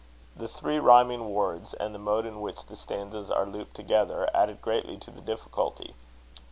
The three rhyming words, and the mode in which the stanzas are looped together, added greatly to the difficulty.